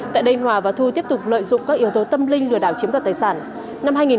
tại đây hòa và thu tiếp tục lợi dụng các yếu tố tâm linh lừa đảo chiếm đoạt tài sản